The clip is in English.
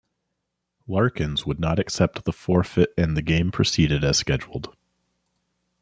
Larkins would not accept the forfeit and the game proceeded as scheduled.